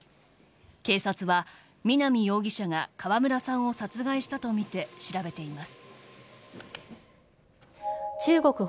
警察は南容疑者が川村さんを殺害したと見て調べています。